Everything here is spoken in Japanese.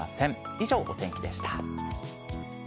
以上、お天気でした。